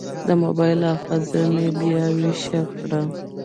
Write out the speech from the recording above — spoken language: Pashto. د موبایل حافظه مې بیا ویش کړه.